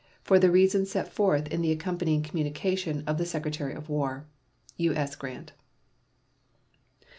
for the reasons set forth in the accompanying communication of the Secretary of War. U.S. GRANT.